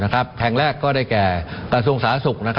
การส่งสาระสุข